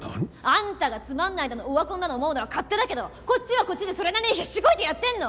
あんたがつまんないだのオワコンだの思うのは勝手だけどこっちはこっちでそれなりに必死こいてやってんの！